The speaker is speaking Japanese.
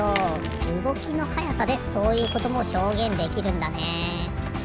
うごきのはやさでそういうこともひょうげんできるんだね。